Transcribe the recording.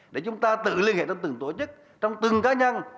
để chúng ta tự liên hệ trong từng tổ chức trong từng cá nhân